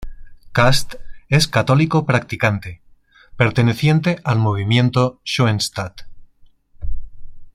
Kast es católico practicante, perteneciente al Movimiento Schoenstatt.